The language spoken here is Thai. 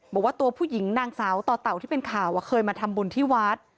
บอกว่าตัวผู้หญิงนางสาวต่อเต่าที่เป็นข่าวเคยมาทำบุญที่วัด